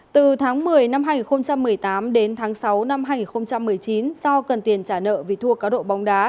từ tháng một mươi năm hai nghìn một mươi tám đến tháng sáu năm hai nghìn một mươi chín do cần tiền trả nợ vì thua cá độ bóng đá